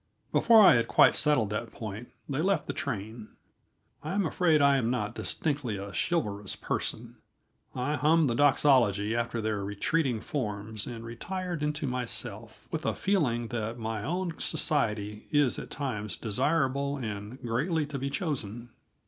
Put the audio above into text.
Before I had quite settled that point, they left the train. I am afraid I am not distinctly a chivalrous person; I hummed the Doxology after their retreating forms and retired into myself, with a feeling that my own society is at times desirable and greatly to be chosen.